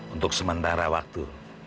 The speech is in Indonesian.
untuk sementara waktu